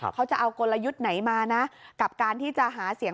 เขาจะเอากลยุทธ์ไหนมานะกับการที่จะหาเสียง